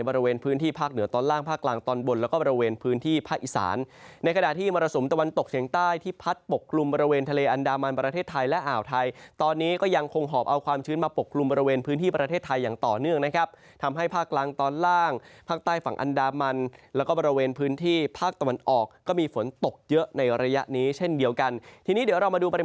บริเวณพื้นที่ภาคเหนือตอนล่างภาคกลางตอนบนแล้วก็บริเวณพื้นที่ภาคอีสานในขณะที่มรสมตะวันตกเฉียงใต้ที่พัดปกกลุ่มบริเวณทะเลอันดามันประเทศไทยและอ่าวไทยตอนนี้ก็ยังคงหอบเอาความชื้นมาปกกลุ่มบริเวณพื้นที่ประเทศไทยอย่างต่อเนื่องนะครับทำให้ภาคกลางตอนล่างภาคใ